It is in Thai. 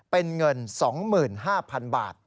เป็นเงิน๒๕๐๐๐บาท